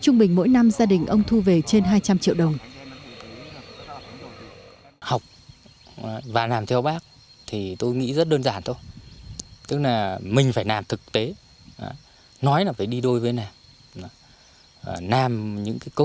nam gia đình ông thu về trên hai trăm linh triệu đồng